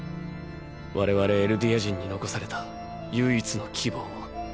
我々エルディア人に残された唯一の希望を。